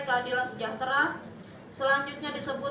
keadilan sejahtera selanjutnya disebut